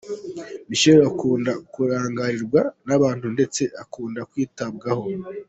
Michelle akunda kurangarirwa n’abantu ndetse akunda kwitabwaho.